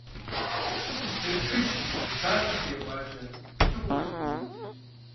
КъифтхыкӀ, псалъэхэр екъуакӀэ пычыгъуэурэ зэпывуд.